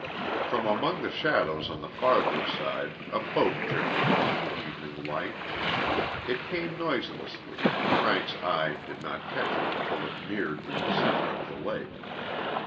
From among the shadows on the farther side a boat drifted into the evening light. It came noiselessly. Frank's eye did not catch it until it neared the center of the lake.